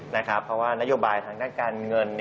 เพราะว่านโยบายทางด้านการเงิน